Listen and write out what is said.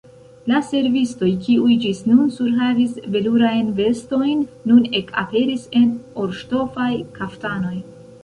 La servistoj, kiuj ĝis nun surhavis velurajn vestojn, nun ekaperis en orŝtofaj kaftanoj.